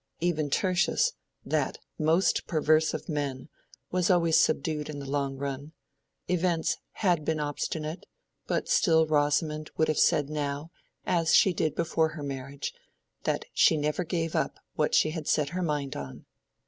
Even Tertius, that most perverse of men, was always subdued in the long run: events had been obstinate, but still Rosamond would have said now, as she did before her marriage, that she never gave up what she had set her mind on.